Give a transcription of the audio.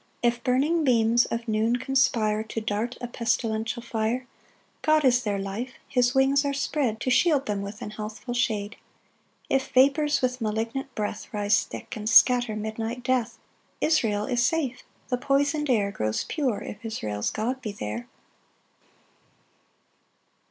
5 If burning beams of noon conspire To dart a pestilential fire, God is their life; his wings are spread To shield them with an healthful shade. 6 If vapours with malignant breath Rise thick and scatter midnight death, Israel is safe; the poison'd air Grows pure if Israel's God be there. PAUSE.